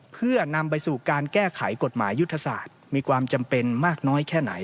เพื่อนำไปสู่การแก้ไขกฎหมายยุทธศาสตร์มีความจำเป็นมากน้อยแค่ไหน